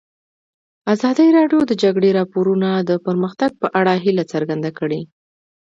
ازادي راډیو د د جګړې راپورونه د پرمختګ په اړه هیله څرګنده کړې.